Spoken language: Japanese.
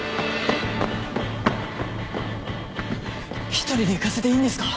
一人で行かせていいんですか？